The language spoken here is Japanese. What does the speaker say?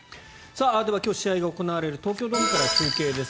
では、今日試合が行われる東京ドームから中継です。